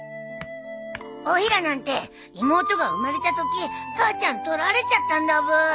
おいらなんて妹が生まれたとき母ちゃん取られちゃったんだブー。